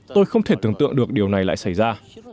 tôi không thể tưởng tượng được điều này lại xảy ra